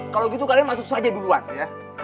kalau gitu kalian masuk saja duluan ya